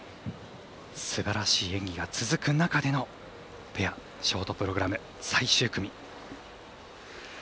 すばらしい演技が続く中でのペアショートプログラム最終組。